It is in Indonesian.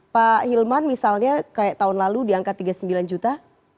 pak hilman misalnya kayak tahun lalu di angka tiga puluh sembilan juta